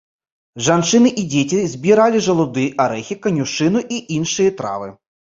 Жанчыны і дзеці збіралі жалуды, арэхі, канюшыну і іншыя травы.